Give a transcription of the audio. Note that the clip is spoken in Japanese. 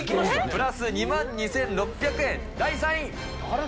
プラス２万２６００円。